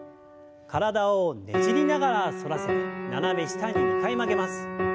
体をねじりながら反らせて斜め下に２回曲げます。